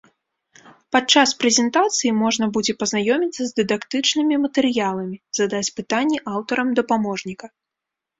Падчас прэзентацыі можна будзе пазнаёміцца з дыдактычнымі матэрыяламі, задаць пытанні аўтарам дапаможніка.